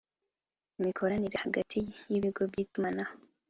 Imikoranire hagati y’ibigo by’itumanaho